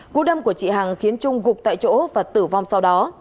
cú đâm của chị hằng khiến trung gục tại chỗ và tử vong sau đó